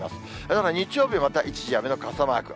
ただ日曜日はまた一時雨の傘マーク。